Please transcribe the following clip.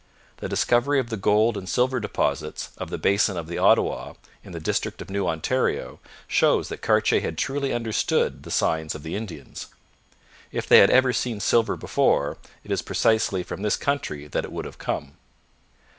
The discovery of the gold and silver deposits of the basin of the Ottawa in the district of New Ontario shows that Cartier had truly understood the signs of the Indians. If they had ever seen silver before, it is precisely from this country that it would have come.